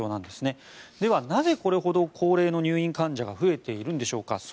では、なぜこれほど高齢の入院患者が増えているんでしょうか。